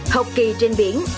học kỳ trên biển